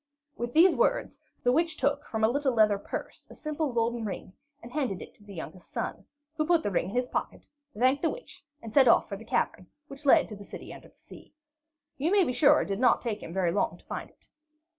With these words, the Witch took from a little leather purse a simple golden ring and handed it to the youngest son, who put the ring in his pocket, thanked the Witch, and set off for the cavern, which led to the City under the Sea. You may be sure it did not take him very long to find it.